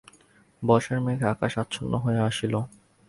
বর্ষার মেঘে আকাশ আচ্ছন্ন হইয়া আসিল।